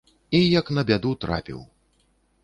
І як на бяду, трапіў.